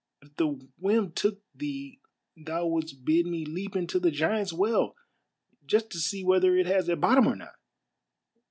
" If the whim took thee thou wouldst bid me leap into the Giants' Well just to see whether it has a bottom or not.